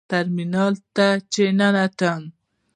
ټرمینل ته چې ننوتم.